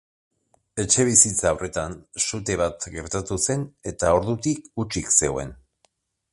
Etxebizitza horretan sute bat gertatu zen eta ordutik hutsik zegoen.